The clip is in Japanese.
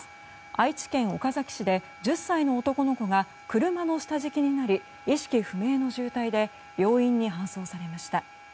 愛知県岡崎市で１０歳の男の子が車の下敷きになり意識不明の重体で病院に搬送されました。